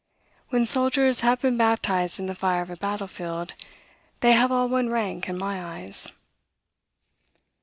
"When soldiers have been baptized in the fire of a battle field, they have all one rank in my eyes."